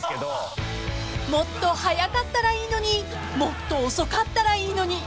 ［もっと速かったらいいのにもっと遅かったらいいのに］